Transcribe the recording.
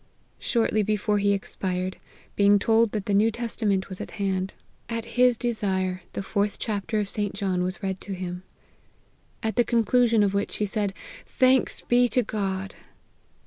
Shortly be fore he expired, being told that the New Testa ment was at hand, at his desire, the fourth chapter APPENDIX. 241 of St. John was read to him ; at the conclusion of which, he said, ' Thanks be to God